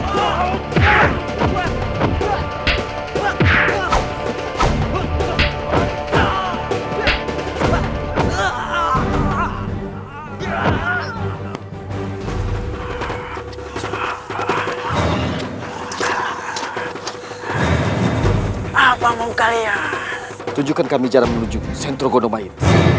hai apa mau kalian tunjukkan kami cara menuju sentro kodok main